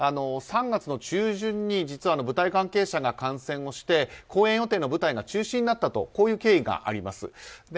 ３月中旬に舞台関係者が感染して公演予定の舞台が中止になったという経緯があります。